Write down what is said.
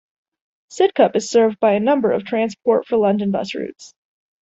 Sidcup is served by a number of Transport for London bus routes.